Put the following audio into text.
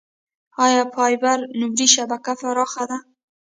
آیا فایبر نوري شبکه پراخه ده؟